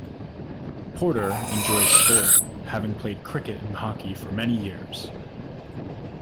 Porter enjoys sport, having played cricket and hockey for many years.